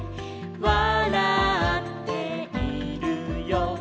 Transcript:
「わらっているよ」